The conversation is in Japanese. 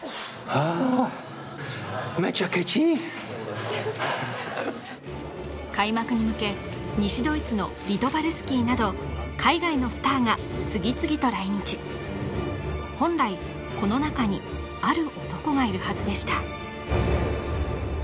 あっめちゃきち開幕に向け西ドイツのリトバルスキーなど海外のスターが次々と来日本来この中にある男がいるはずでした